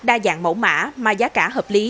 đa dạng mẫu mã mà giá cả hợp lý